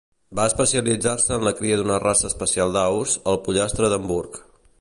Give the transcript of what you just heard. Va especialitzar-se en la cria d'una raça especial d'aus, el pollastre d'Hamburg.